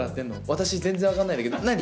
私、全然分かんないんだけど何？